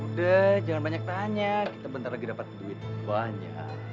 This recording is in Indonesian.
udah jangan banyak tanya kita bentar lagi dapat duit banyak